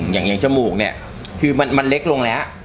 อย่างจมูกเนี่ยคือมันเล็กลงแล้ว